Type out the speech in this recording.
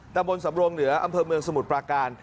ตะบนสำรงเหนืออำเภอเมืองสมุทรปราการ